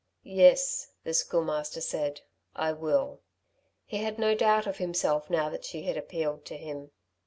"Yes," the Schoolmaster said, "I will." He had no doubt of himself now that she had appealed to him.